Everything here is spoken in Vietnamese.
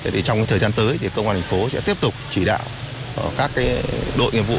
trong thời gian tới thì công an thành phố sẽ tiếp tục chỉ đạo các đội nghiệp vụ